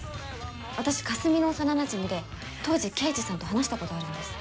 私かすみの幼なじみで当時刑事さんと話したことあるんです。